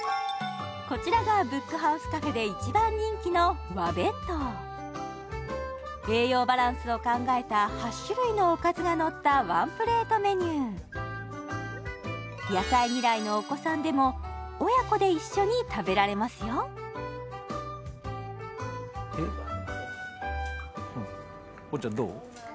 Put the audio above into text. こちらがブックハウスカフェで一番人気の和弁当栄養バランスを考えた８種類のおかずがのったワンプレートメニュー野菜嫌いのお子さんでも親子で一緒に食べられますよおとちゃんどう？